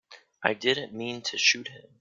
I didn't mean to shoot him.